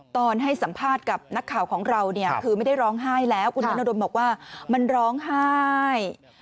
ตอนให้สัมภาษณ์กับนักข่าวของเราเนี่ยคือไม่ได้ร้องไห้แล้วคุณธนดลบอกว่ามันร้องไห้